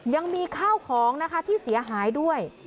ยังมีข้าวของนะคะที่เสียหายด้วย